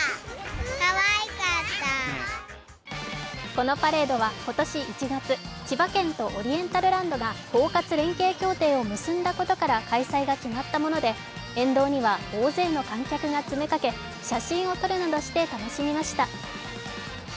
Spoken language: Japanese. このパレードは今年１月、千葉県とオリエンタルランドが包括連携協定を結んだことから開催が決まったもので沿道には大勢の観客が詰めかけ、写真を撮るなどして楽しみました。